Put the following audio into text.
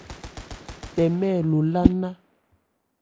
Tɛmɛ̂ lo lá nná.